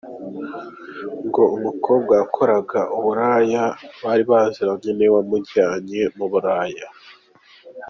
Ngo umukobwa wakoraga uburaya bari baziranye niwe wamujyanye mu buraya.